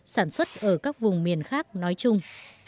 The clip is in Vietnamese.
sản xuất ở các vùng miền khác nói chung